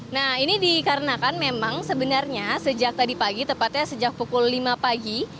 nah ini dikarenakan memang sebenarnya sejak tadi pagi tepatnya sejak pukul lima pagi